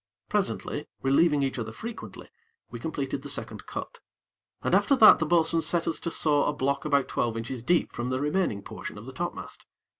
Presently, relieving each other frequently, we completed the second cut, and after that the bo'sun set us to saw a block about twelve inches deep from the remaining portion of the topmast.